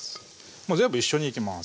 全部一緒にいきます